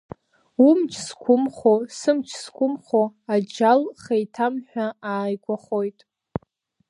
Умч зқәымхо, сымч зқәымхо, аџьал хеиҭамҳәа ааигәахоит.